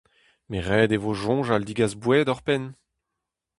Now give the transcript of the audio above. Met ret e vo soñjal degas boued ouzhpenn.